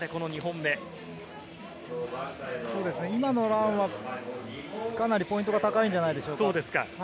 今のランは、かなりポイントが高いんじゃないでしょうか。